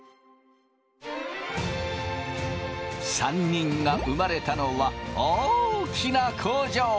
３人が生まれたのは大きな工場。